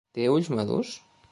Té ulls madurs?